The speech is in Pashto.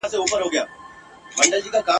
له نیکونو ورته پاته همدا کور وو ..